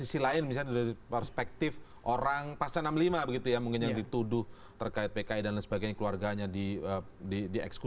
situasi kan saya tidak ikut